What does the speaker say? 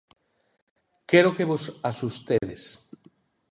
Quero que vos asustedes.